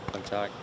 xin chào anh